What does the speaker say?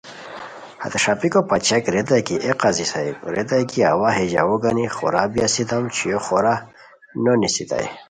ہتے ݰاپیکو پاچئیاک ریتائے کی اے قاضی صاحب ریتائے کی اوا ہے ژوؤ گانی خورا بی اسیتام چھویو خورا نونیستائے